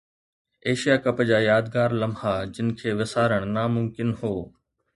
Asia Cup جا يادگار لمحا جن کي وسارڻ ناممڪن هو